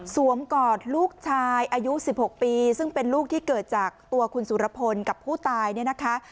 กอดลูกชายอายุ๑๖ปีซึ่งเป็นลูกที่เกิดจากตัวคุณสุรพลกับผู้ตายเนี่ยนะคะ